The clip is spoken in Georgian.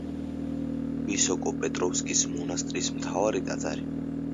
ვისოკო-პეტროვსკის მონასტრის მთავარი ტაძარი.